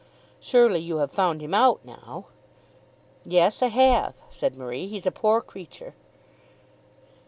"Surely you have found him out now." "Yes, I have," said Marie. "He's a poor creature."